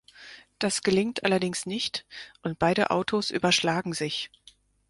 Das gelingt allerdings nicht und beide Autos überschlagen sich.